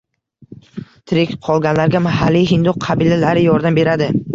Tirik qolganlarga mahalliy hindu qabilalari yordam beradi